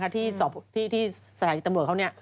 ที่สถานีตำรวจเขา